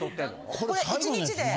これ１日で。